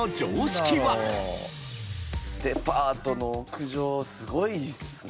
デパートの屋上すごいっすね。